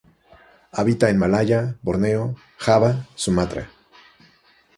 Habita en Malaya, Borneo, Java, Sumatra.